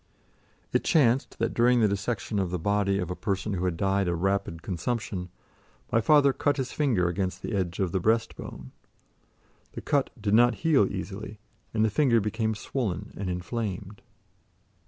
It chanced that during the dissection of the body of a person who had died of rapid consumption, my father cut his finger against the edge of the breast bone. The cut did not heal easily, and the finger became swollen and inflamed.